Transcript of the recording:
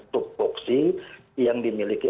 tuk boksi yang dimiliki